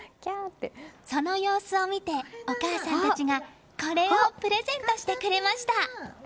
その様子を見て、お母さんたちがこれをプレゼントしてくれました。